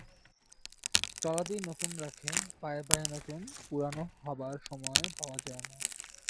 চলাতেই নতুন রাখে, পায়ে পায়ে নতুন, পুরানো হবার সময় পাওয়া যায় না।